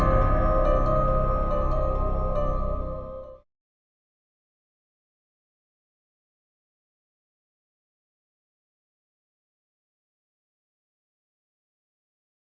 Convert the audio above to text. semoga lo cepet sembuh ya rafa